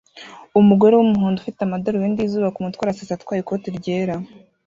Umugore wumuhondo ufite amadarubindi yizuba kumutwe arasetsa atwaye ikoti ryera